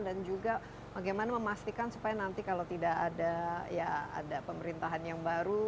dan juga bagaimana memastikan supaya nanti kalau tidak ada pemerintahan yang baru